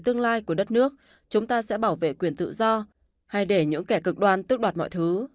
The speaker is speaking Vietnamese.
ông chủ nhà trắng nói